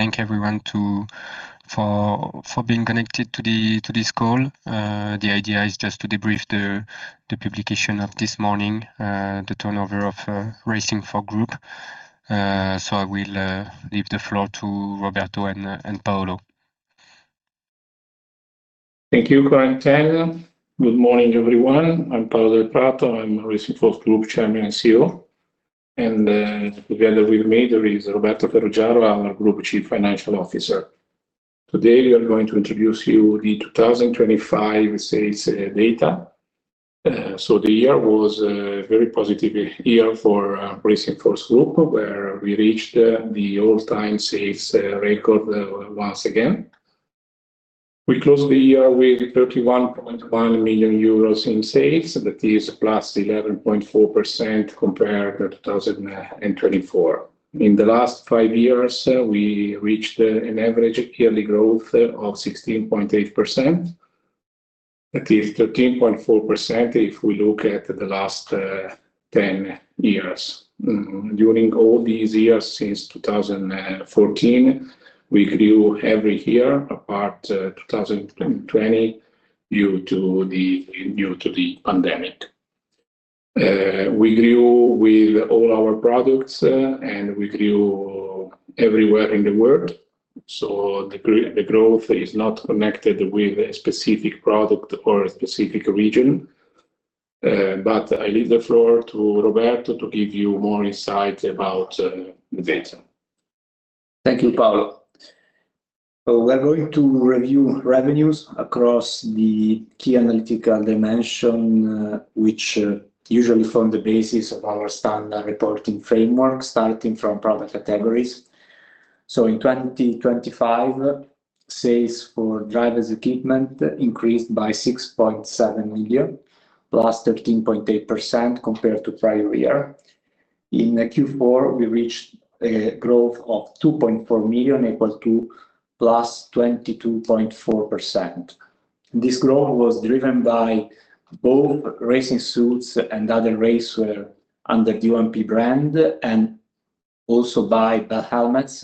Thank everyone for being connected to this call. The idea is just to debrief the publication of this morning, the turnover of Racing Force Group, so I will leave the floor to Roberto and Paolo. Thank you, Chetan Khulbe. Good morning, everyone. I'm Paolo Delprato, I'm Racing Force Group Chairman and CEO. And together with me there is Roberto Ferroggiaro, our Group Chief Financial Officer. Today we are going to introduce you the 2025 sales data. So the year was a very positive year for Racing Force Group, where we reached the all-time sales record once again. We closed the year with 31.1 million euros in sales, that is +11.4% compared to 2024. In the last five years we reached an average yearly growth of 16.8%, that is 13.4% if we look at the last 10 years. During all these years since 2014 we grew every year apart 2020 due to the pandemic. We grew with all our products and we grew everywhere in the world, so the growth is not connected with a specific product or a specific region. I leave the floor to Roberto to give you more insight about the data. Thank you, Paolo. We're going to review revenues across the key analytical dimension, which usually form the basis of our standard reporting framework, starting from product categories. So in 2025, sales for drivers' equipment increased by 6.7 million, +13.8% compared to prior year. In Q4 we reached a growth of 2.4 million equal to +22.4%. This growth was driven by both racing suits and other racewear under the OMP brand, and also by Bell helmets,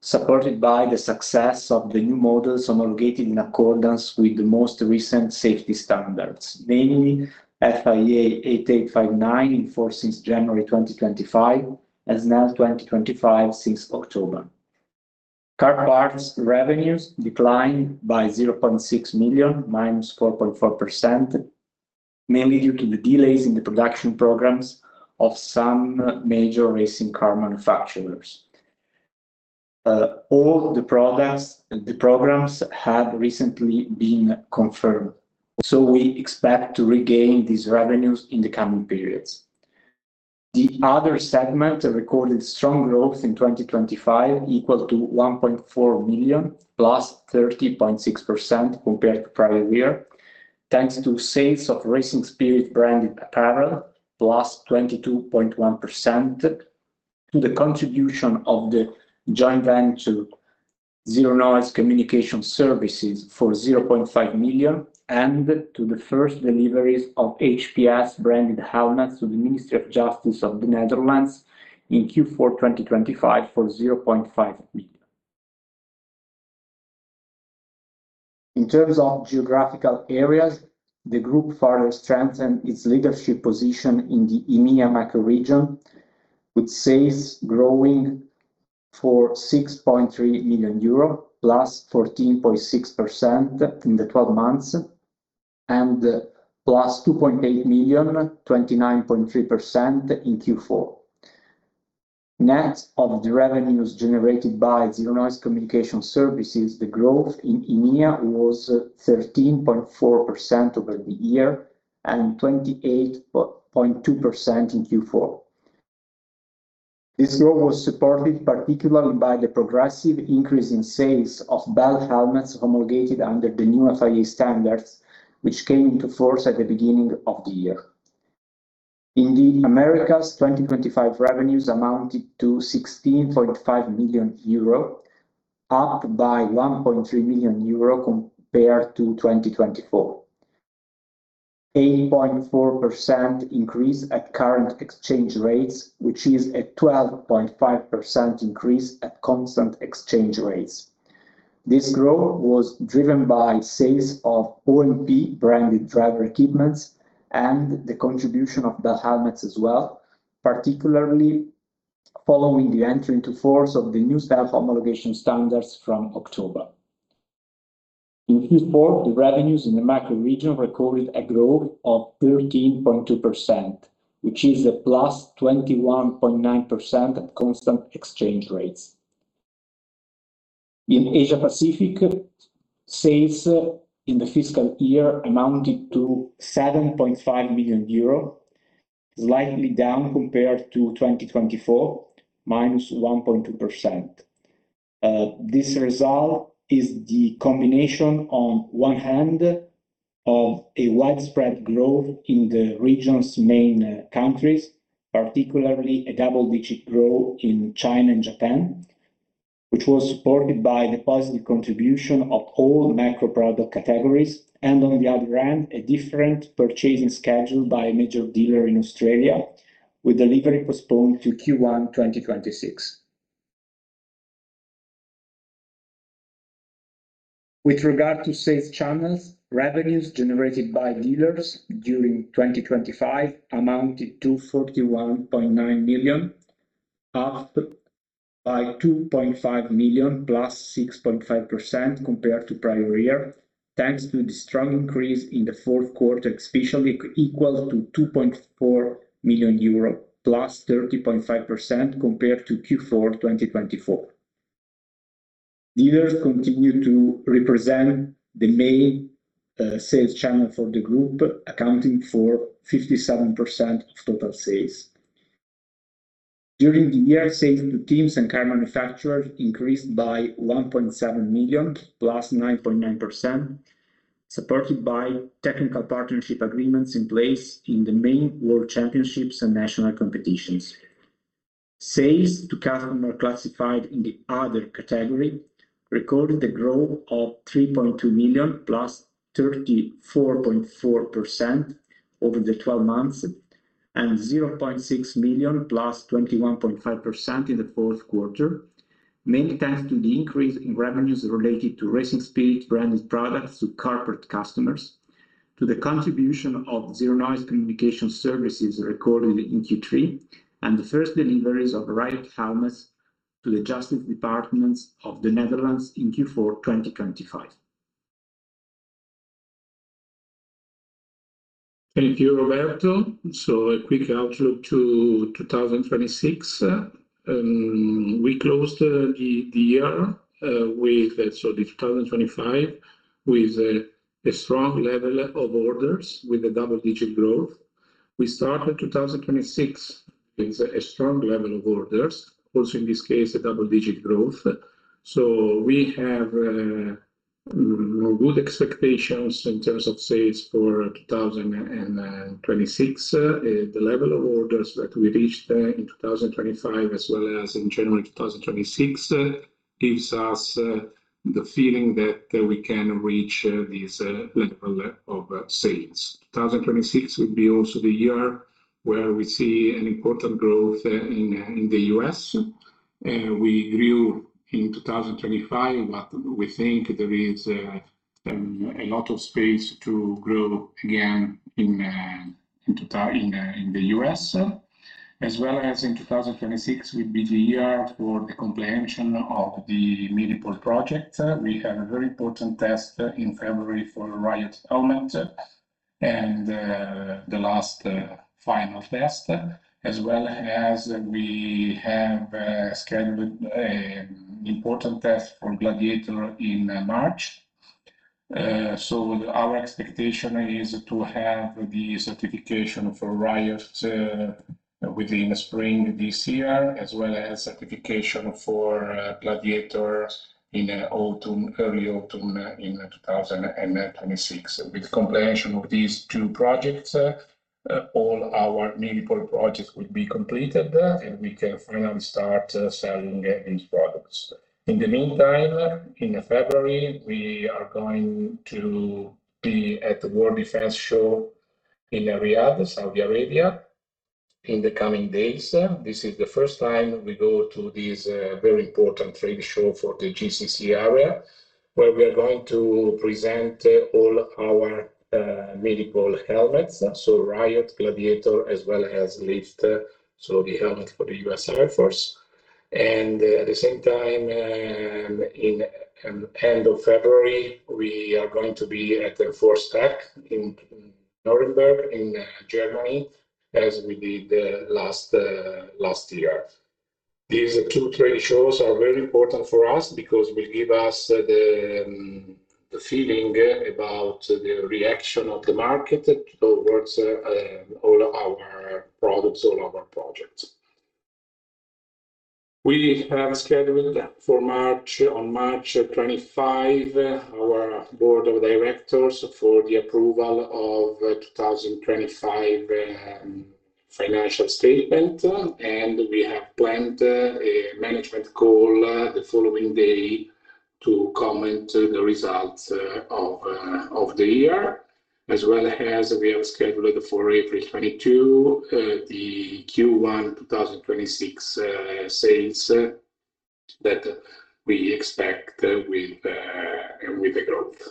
supported by the success of the new models homologated in accordance with the most recent safety standards, namely FIA 8859 in force since January 2025 and Snell 2025 since October. Car parts revenues declined by 0.6 million -4.4%, mainly due to the delays in the production programs of some major racing car manufacturers. All the programs have recently been confirmed, so we expect to regain these revenues in the coming periods. The other segment recorded strong growth in 2025 equal to 1.4 million (+30.6%) compared to prior year, thanks to sales of Racing Spirit branded apparel (+22.1%), to the contribution of the joint venture Zeronoise Communication Services for 0.5 million, and to the first deliveries of HPS branded helmets to the Ministry of Justice of the Netherlands in Q4 2025 for 0.5 million. In terms of geographical areas, the group further strengthened its leadership position in the EMEA macro-region, with sales growing for EUR 6.3 million (+14.6%) in the 12 months, and 2.8 million (+29.3%) in Q4. Net of the revenues generated by Zeronoise Communication Services, the growth in EMEA was 13.4% over the year and 28.2% in Q4. This growth was supported particularly by the progressive increase in sales of Bell helmets homologated under the new FIA standards, which came into force at the beginning of the year. Indeed, Americas' 2025 revenues amounted to 16.5 million euro, up by 1.3 million euro compared to 2024. 8.4% increase at current exchange rates, which is a 12.5% increase at constant exchange rates. This growth was driven by sales of OMP branded driver equipments and the contribution of Bell helmets as well, particularly following the entry into force of the new style homologation standards from October. In Q4, the revenues in the EMEA region recorded a growth of 13.2%, which is a +21.9% at constant exchange rates. In Asia-Pacific, sales in the fiscal year amounted to 7.5 million euro, slightly down compared to 2024, -1.2%. This result is the combination on one hand of a widespread growth in the region's main countries, particularly a double-digit growth in China and Japan, which was supported by the positive contribution of all macro product categories, and on the other hand, a different purchasing schedule by a major dealer in Australia, with delivery postponed to Q1 2026. With regard to sales channels, revenues generated by dealers during 2025 amounted to 41.9 million, up by 2.5 million (+6.5%) compared to prior year, thanks to the strong increase in the fourth quarter, especially equal to 2.4 million euro (+30.5%) compared to Q4 2024. Dealers continue to represent the main sales channel for the group, accounting for 57% of total sales. During the year, sales to teams and car manufacturers increased by 1.7 million +9.9%, supported by technical partnership agreements in place in the main world championships and national competitions. Sales to customers classified in the other category recorded a growth of 3.2 million +34.4% over the 12 months, and 0.6 million +21.5% in the fourth quarter, mainly thanks to the increase in revenues related to Racing Spirit branded products to corporate customers, to the contribution of Zeronoise Communication Services recorded in Q3, and the first deliveries of Riot helmets to the Ministry of Justice of the Netherlands in Q4 2025. Thank you, Roberto. So a quick outlook to 2026. We closed the year with 2025 with a strong level of orders, with a double-digit growth. We started 2026 with a strong level of orders, also in this case a double-digit growth. So we have good expectations in terms of sales for 2026. The level of orders that we reached in 2025 as well as in January 2026 gives us the feeling that we can reach this level of sales. 2026 will be also the year where we see an important growth in the U.S.. We grew in 2025, but we think there is a lot of space to grow again in the US. As well as in 2026 will be the year for the comprehension of the Milipol project. We have a very important test in February for Riot helmet, and the last final test, as well as we have scheduled an important test for Gladiator in March. So our expectation is to have the certification for Riot within spring this year, as well as certification for Gladiator in early autumn in 2026. With the comprehension of these two projects, all our Milipol projects will be completed, and we can finally start selling these products. In the meantime, in February, we are going to be at the World Defense Show in Riyadh, Saudi Arabia, in the coming days. This is the first time we go to this very important trade show for the GCC area, where we are going to present all our Milipol helmets, so Riot, Gladiator, as well as LIFT, so the helmet for the U.S. Air Force. And at the same time, at the end of February, we are going to be at the Enforce Tac in Nuremberg, in Germany, as we did last year. These two trade shows are very important for us because they give us the feeling about the reaction of the market towards all our products, all our projects. We have scheduled for March, on March 25, our board of directors for the approval of 2025 financial statement, and we have planned a management call the following day to comment on the results of the year. As well as, we have scheduled for April 22, the Q1 2026 sales that we expect with the growth.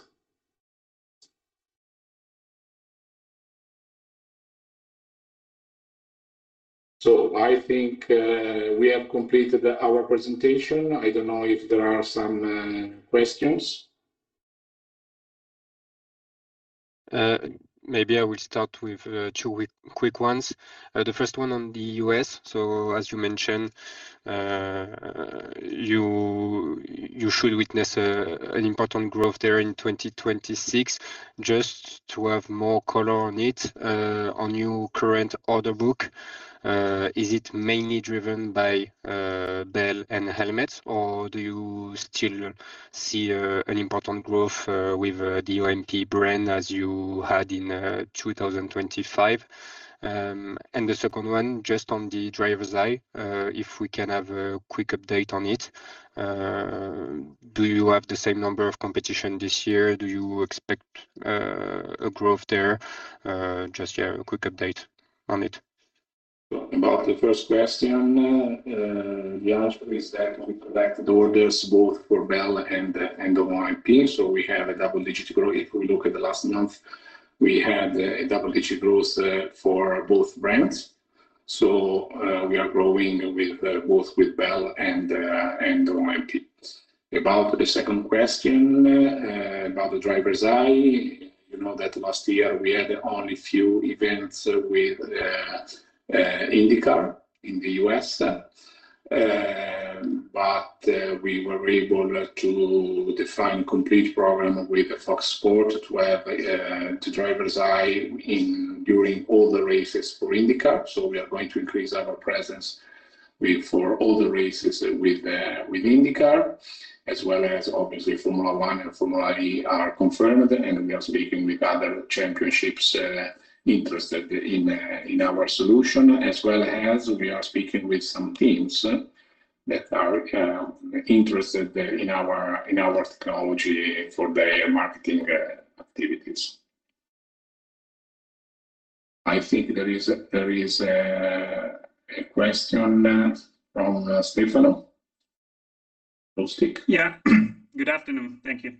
So I think we have completed our presentation. I don't know if there are some questions. Maybe I will start with two quick ones. The first one on the U.S.. So as you mentioned, you should witness an important growth there in 2026. Just to have more color on it, on your current order book, is it mainly driven by Bell and helmets, or do you still see an important growth with the OMP brand as you had in 2025? And the second one, just on the Driver's Eye, if we can have a quick update on it. Do you have the same number of competition this year? Do you expect a growth there? Just a quick update on it. About the first question, the answer is that we collected orders both for Bell and OMP. So we have a double-digit growth. If we look at the last month, we had a double-digit growth for both brands. So we are growing both with Bell and OMP. About the second question, about the Driver's Eye, you know that last year we had only a few events with IndyCar in the U.S.. But we were able to define a complete program with Fox Sports to have the Driver's Eye during all the races for IndyCar. So we are going to increase our presence for all the races with IndyCar, as well as obviously Formula One and Formula E are confirmed, and we are speaking with other championships interested in our solution, as well as we are speaking with some teams that are interested in our technology for their marketing activities. I think there is a question from Stefano. Yeah. Good afternoon. Thank you.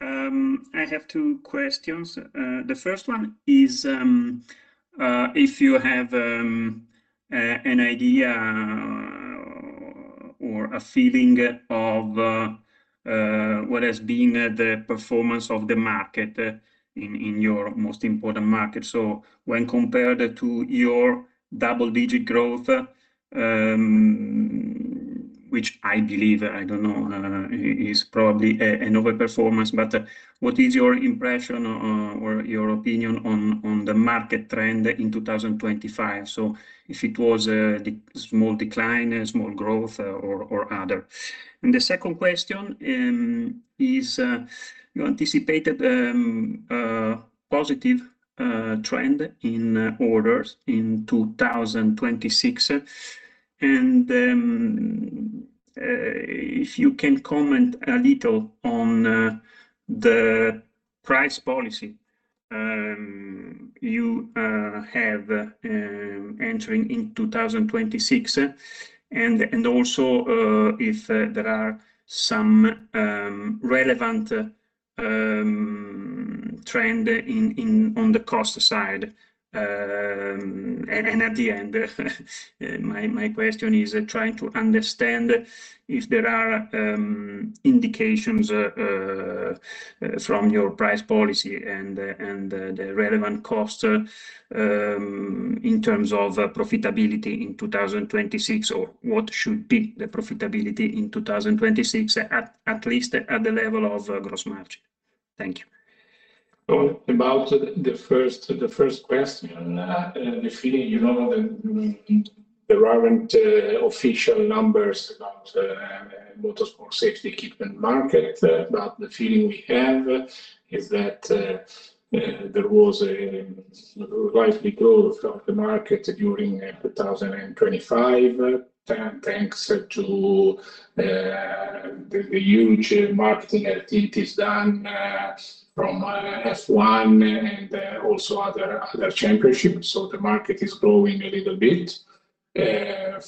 I have two questions. The first one is if you have an idea or a feeling of what has been the performance of the market in your most important market. So when compared to your double-digit growth, which I believe, I don't know, is probably an overperformance, but what is your impression or your opinion on the market trend in 2025? So if it was a small decline, small growth, or other. And the second question is you anticipated a positive trend in orders in 2026. And if you can comment a little on the price policy you have entering in 2026, and also if there are some relevant trends on the cost side. At the end, my question is trying to understand if there are indications from your price policy and the relevant costs in terms of profitability in 2026, or what should be the profitability in 2026, at least at the level of gross margin. Thank you. About the first question, the feeling, you know that there aren't official numbers about motorsport safety equipment market, but the feeling we have is that there was a likely growth of the market during 2025, thanks to the huge marketing activities done from F1 and also other championships. So the market is growing a little bit.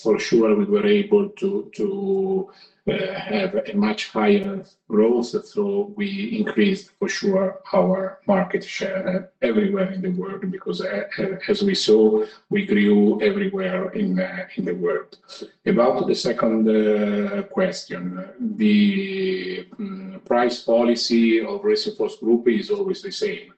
For sure, we were able to have a much higher growth, so we increased for sure our market share everywhere in the world because, as we saw, we grew everywhere in the world. About the second question, the price policy of Racing Force Group is always the same.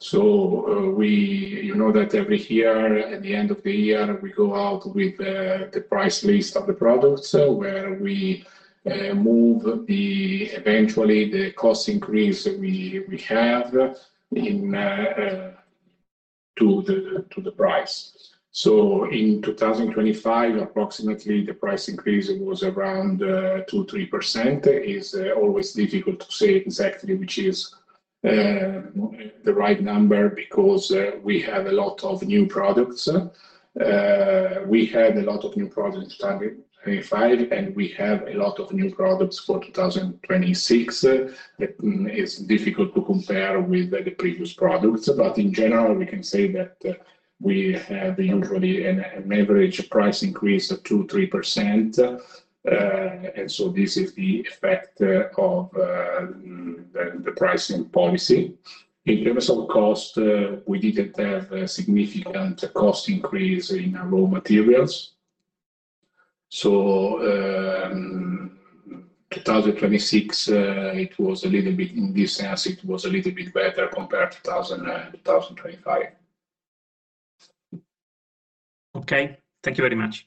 So you know that every year, at the end of the year, we go out with the price list of the products where we move eventually the cost increase we have to the price. So in 2025, approximately, the price increase was around 2%-3%. It's always difficult to say exactly which is the right number because we have a lot of new products. We had a lot of new products in 2025, and we have a lot of new products for 2026. It's difficult to compare with the previous products. But in general, we can say that we have usually an average price increase of 2%-3%. And so this is the effect of the pricing policy. In terms of cost, we didn't have a significant cost increase in raw materials. So 2026, it was a little bit in this sense, it was a little bit better compared to 2025. Okay. Thank you very much.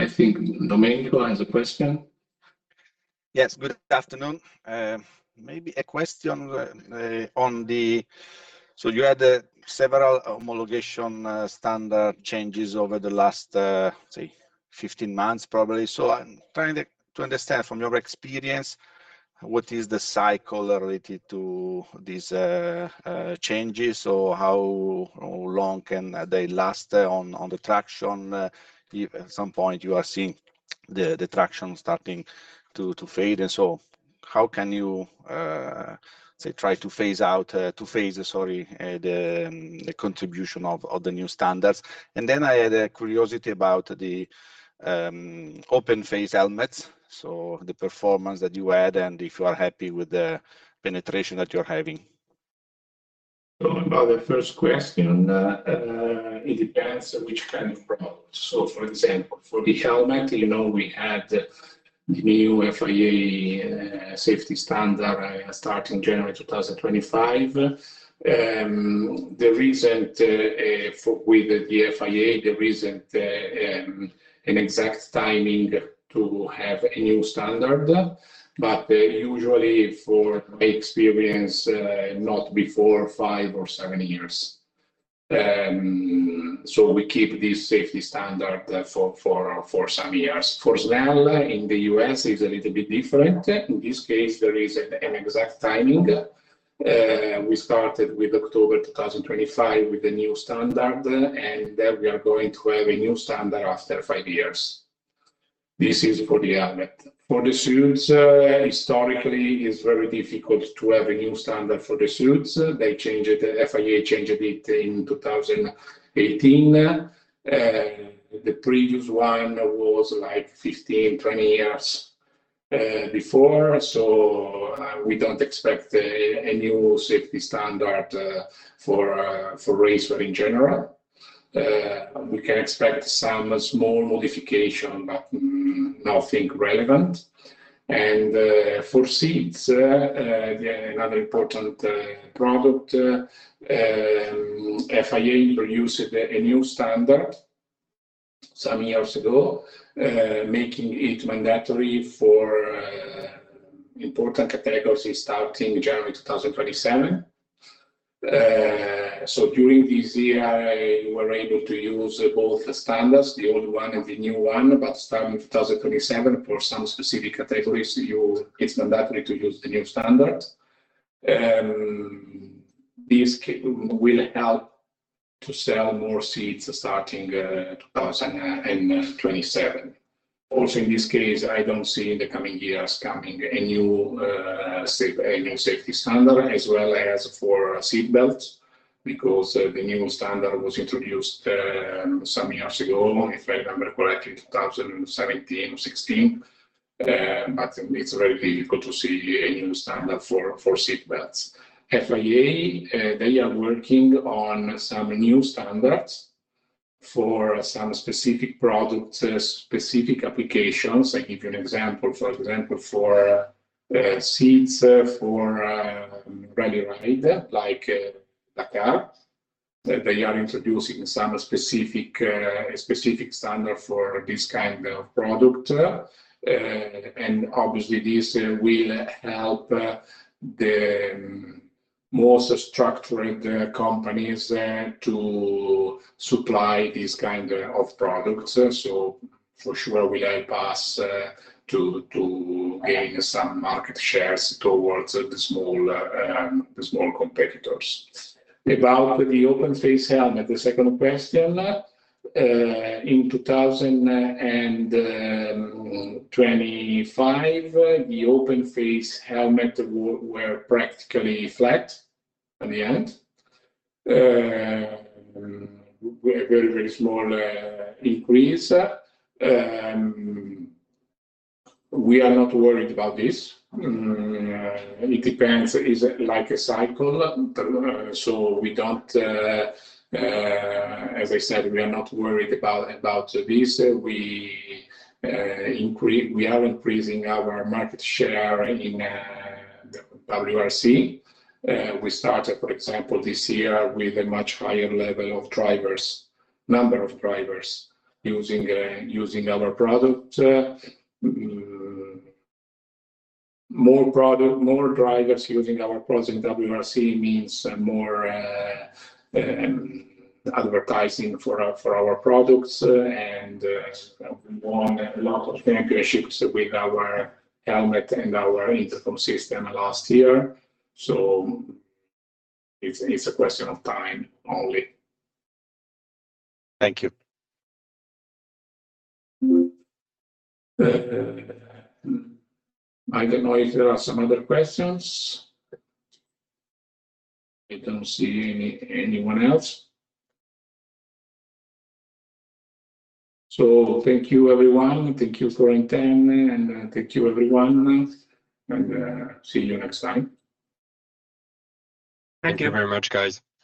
I think Domenico has a question. Yes. Good afternoon. Maybe a question on, so you had several homologation standard changes over the last, say, 15 months, probably. So I'm trying to understand from your experience what is the cycle related to these changes, or how long can they last on the traction? At some point, you are seeing the traction starting to fade. And so how can you, say, try to phase out, to phase, sorry, the contribution of the new standards? And then I had a curiosity about the open-face helmets, so the performance that you had, and if you are happy with the penetration that you're having. About the first question, it depends on which kind of products. So, for example, for the helmet, we had the new FIA safety standard starting January 2025. With the FIA, there isn't an exact timing to have a new standard. But usually, for my experience, not before five or seven years. So we keep this safety standard for some years. For Snell in the U.S., it's a little bit different. In this case, there is an exact timing. We started with October 2025 with the new standard, and then we are going to have a new standard after five years. This is for the helmet. For the suits, historically, it's very difficult to have a new standard for the suits. FIA changed it in 2018. The previous one was like 15, 20 years before. So we don't expect a new safety standard for racewear in general. We can expect some small modification, but nothing relevant. For seats, another important product, FIA introduced a new standard some years ago, making it mandatory for important categories starting January 2027. During this year, you were able to use both the standards, the old one and the new one, but starting 2027, for some specific categories, it's mandatory to use the new standard. This will help to sell more seats starting 2027. Also, in this case, I don't see in the coming years a new safety standard, as well as for seatbelts, because the new standard was introduced some years ago, if I remember correctly, in 2017 or 2016. But it's very difficult to see a new standard for seatbelts. FIA, they are working on some new standards for some specific products, specific applications. I give you an example. For example, for seats for rally raid, like Dakar, they are introducing some specific standard for this kind of product. And obviously, this will help the most structured companies to supply this kind of products. So for sure, it will help us to gain some market shares towards the small competitors. About the open-face helmet, the second question, in 2025, the open-face helmets were practically flat at the end, a very, very small increase. We are not worried about this. It depends. It's like a cycle. So as I said, we are not worried about this. We are increasing our market share in WRC. We started, for example, this year with a much higher level of number of drivers using our product. More drivers using our product in WRC means more advertising for our products. We won a lot of championships with our helmet and our intercom system last year. It's a question of time only. Thank you. I don't know if there are some other questions. I don't see anyone else. Thank you, everyone. Thank you for attending, and thank you, everyone. See you next time. Thank you very much, guys.